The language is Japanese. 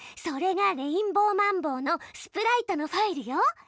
それがレインボーマンボウのスプライトのファイルよ！